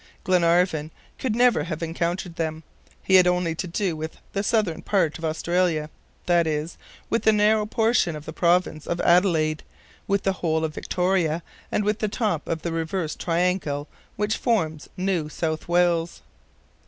Glenarvan could never have encountered them. He had only to do with the southern part of Australia viz., with a narrow portion of the province of Adelaide, with the whole of Victoria, and with the top of the reversed triangle which forms New South Wales.